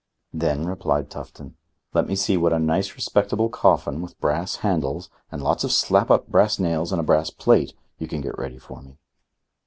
"Then," replied Tufton, "let me see what a nice respectable coffin, with brass handles and lots of slap up brass nails and a brass plate, you can get ready for me."